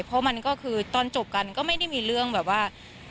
เพราะมันก็คือตอนจบกันก็ไม่ได้มีเรื่องแบบว่า